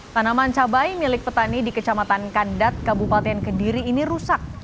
tanaman cabai milik petani di kecamatan kandat kabupaten kediri ini rusak